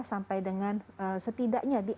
sampai dengan setidaknya di